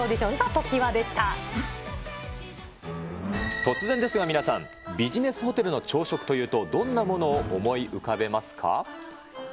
以上、漫画家発掘オーディション、突然ですが皆さん、ビジネスホテルの朝食というと、どんなものを思い浮かべますか。